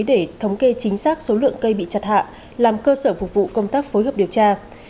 để thống kê chính xác số lượng cây bị chặt hạ làm cơ sở phục vụ công tác phối hợp điều tra